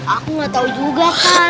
aku gak tau juga